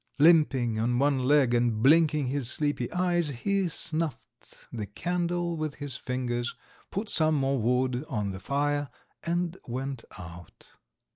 Limping on one leg, and blinking his sleepy eyes, he snuffed the candle with his fingers, put some more wood on the fire and went out.